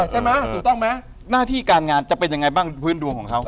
หน้าที่การงานจะเป็นอย่างไรบ้างภื้นดวงของเขา